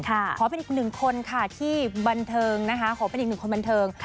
ขอเป็นอีกหนึ่งคนค่ะที่บันเทิงนะคะขอเป็นอีกหนึ่งคนบันเทิง